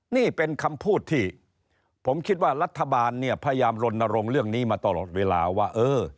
นี่เป็นคำพูดที่ผมคิดว่ารัฐบาลเนี่ยพยายามลนรงค์เรื่องนี้มาตลอดเวลาว่าเออ